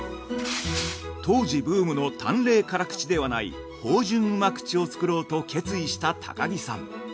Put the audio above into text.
◆当時ブームの淡麗辛口ではない芳醇旨口を造ろうと決意した高木さん。